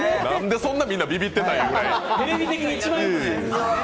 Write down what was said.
なんで、そんなみんなびびってたんや。